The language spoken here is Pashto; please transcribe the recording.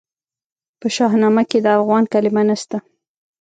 په شاهنامه کې د افغان کلمه نسته.